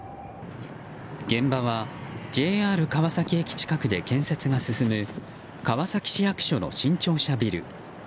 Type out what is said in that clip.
現場はＪＲ川崎駅近くで建設が進む川崎市役所の新庁舎ビル。